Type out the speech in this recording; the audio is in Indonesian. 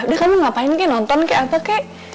udah kamu ngapain kay nonton kek apa kay